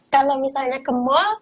kalo misalnya ke mall